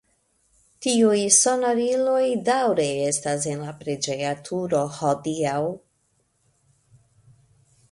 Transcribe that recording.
Tiuj sonoriloj daŭre estas en la preĝeja turo hodiaŭ.